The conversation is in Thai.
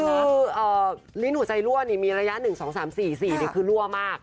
คือลิ้นหัวใจรั่วมีระยะ๑๒๓๔๔คือรั่วมาก